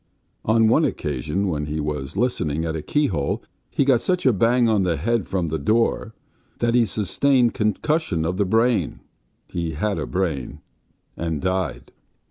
On one occasion, when he was listening at a keyhole, he got such a bang on the head from the door that he sustained concussion of the brain (he had a brain), and died.